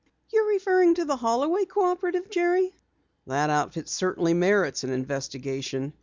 "You're referring to the Holloway Cooperative, Jerry?" "That outfit certainly merits an investigation.